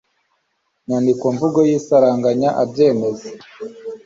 nyandikomvugo y isaranganya abyemeza